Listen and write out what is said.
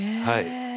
はい。